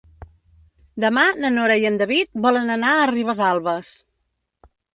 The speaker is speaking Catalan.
Demà na Nora i en David volen anar a Ribesalbes.